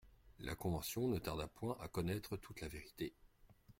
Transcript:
La Convention ne tarda point à connaître toute la vérité.